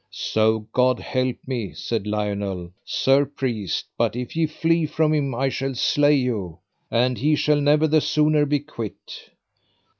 So God help me, said Lionel, sir priest, but if ye flee from him I shall slay you, and he shall never the sooner be quit.